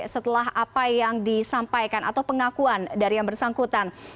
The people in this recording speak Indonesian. setelah apa yang disampaikan atau pengakuan dari yang bersangkutan